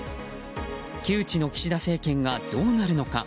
窮地の岸田政権がどうなるのか。